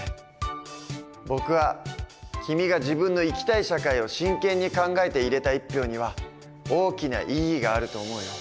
僕は君が自分の生きたい社会を真剣に考えて入れた１票には大きな意義があると思うよ。